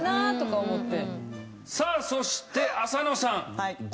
さあそして浅野さん。